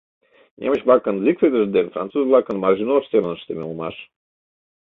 Немыч-влакын «Зигфридышт» ден француз-влакын «Мажиношт» семын ыштыме улмаш.